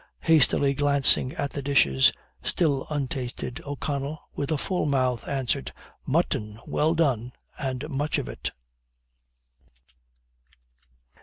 Hastily glancing at the dishes still untasted, O'Connell, with a full mouth, answered "Mutton well done and much of it."